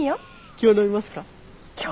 今日飲みますか？